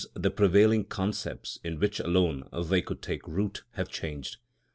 _, the prevailing concepts, in which alone they could take root, have changed.